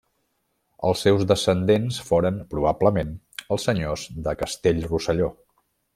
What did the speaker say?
Els seus descendents foren probablement els senyors de Castellrosselló.